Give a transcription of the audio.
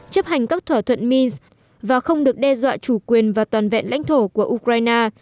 chấp hành các thỏa thuận mins và không được đe dọa chủ quyền và toàn vẹn lãnh thổ của ukraine